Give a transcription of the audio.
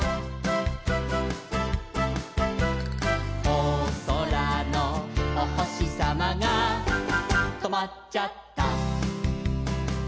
「おそらのおほしさまがとまっちゃった」